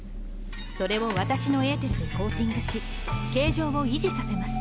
それを私のエーテルでコーティングし形状を維持させます。